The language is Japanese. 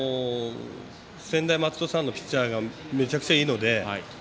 専大松戸さんのピッチャーがめちゃくちゃいいので。